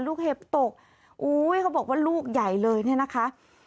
เห็บตกอุ้ยเขาบอกว่าลูกใหญ่เลยเนี่ยนะคะ